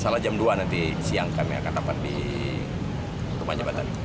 salah jam dua nanti siang kami akan dapat di depan jembatan